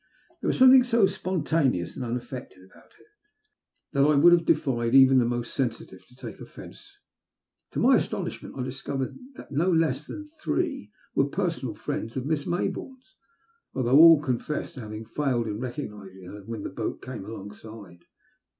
There was something so spontaneous and unaffected about it that I would have defied even the most sensitive to take offence. To my astonishment, I discovered that no less than three were personal friends of Miss Mayboume's, though all confessed to having failed in recogniaing her when the boat came alongside.